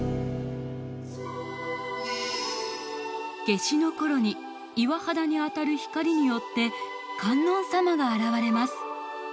夏至の頃に岩肌に当たる光によって観音様が現れます。